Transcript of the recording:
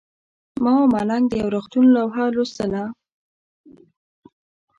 ما او ملنګ د یو روغتون لوحه لوستله.